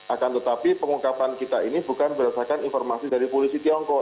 akan tetapi pengungkapan kita ini bukan berdasarkan informasi dari polisi tiongkok